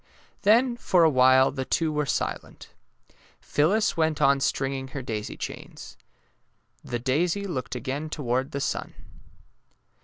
Then for awhile the two were silent. Phyl lis went on stringing her daisy chains. The daisy looked again toward the sun.